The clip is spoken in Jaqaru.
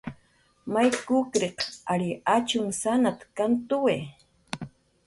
"May kukriq ary achumsanat"" kantuwi"